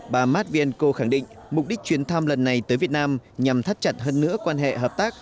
bà mát viên cô khẳng định mục đích chuyến thăm lần này tới việt nam nhằm thắt chặt hơn nữa quan hệ hợp tác